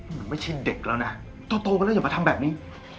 เหมือนไม่ชินเด็กแล้วน่ะต้องโตแล้วอย่ามาทำแบบนี้